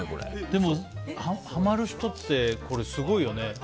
でも、はまる人ってすごいよね。